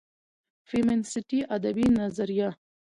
فيمينستى ادبى نظريه